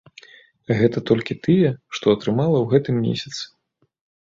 Гэта толькі тыя, што атрымала ў гэтым месяцы!